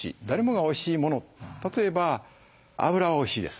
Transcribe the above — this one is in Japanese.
例えば脂はおいしいです。